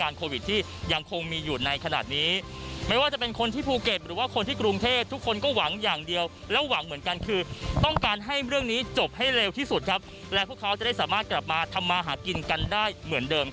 และนี่คือทั้งหมดของข่าวเด็ดศรกิจ